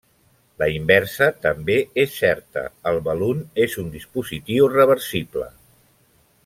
La inversa també és certa: el balun és un dispositiu reversible.